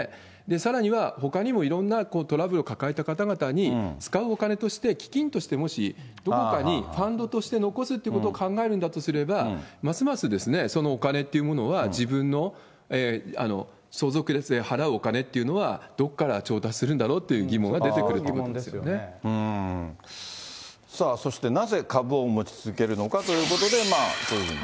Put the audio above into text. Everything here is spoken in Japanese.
さらには、ほかにもにいろんなトラブルを抱えた方々に、使うお金として、基金としてもしどこかにファンドとして残すってことを考えるんだとすれば、ますますそのお金っていうものは、自分の相続税を払うお金っていうのは、どこから調達するんだろうっていう疑問が出てくると思うんそして、なぜ株を持ち続けるのかということで、こういうふうに。